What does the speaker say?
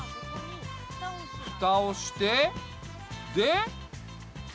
ふたをしてで。